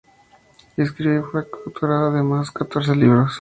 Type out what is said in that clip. Escribió y fue coautora de más de catorce libros.